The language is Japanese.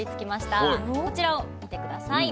こちらを見て下さい。